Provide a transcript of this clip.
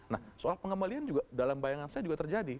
nah soal pengembalian juga dalam bayangan saya juga terjadi